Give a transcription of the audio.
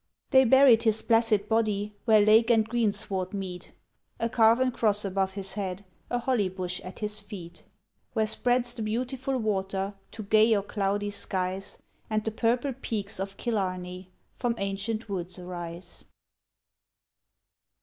They buried his blessed body where lake and green sward meet; A carven cross above his head, a holly bush at his feet; Where spreads the beautiful water to gay or cloudy skies, And the purple peaks of Killarney from ancient woods arise.